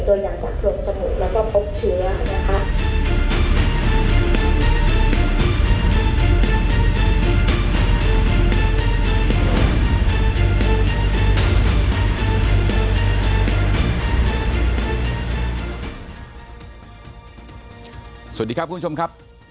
สวัสดีครับคุณผู้ชมครับ